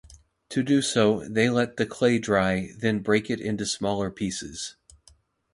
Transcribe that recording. To do so, they let the clay dry, then break it into smaller pieces.